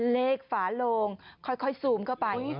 ฝาโลงค่อยซูมเข้าไป